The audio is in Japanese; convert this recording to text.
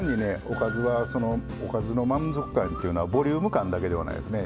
おかずはそのおかずの満足感というのはボリューム感だけではないですね。